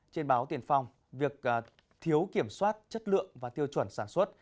trên báo tiền phòng việc thiếu kiểm soát chất lượng và tiêu chuẩn sản xuất